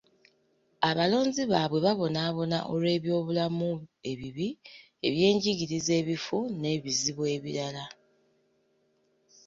Abalonzi baabwe babonaabona olw’ebyobulamu ebibi, ebyenjigiriza ebifu n’ebizibu ebirala.